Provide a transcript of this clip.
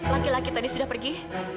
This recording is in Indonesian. laki laki tadi sudah pergi